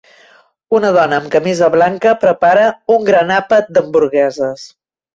Una dona amb camisa blanca prepara un gran àpat d'hamburgueses.